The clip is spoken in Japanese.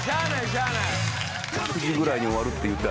しゃあない。